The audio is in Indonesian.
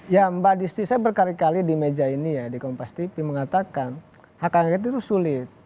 ya mbak disti saya berkali kali di meja ini ya di kompas tv mengatakan hak angket itu sulit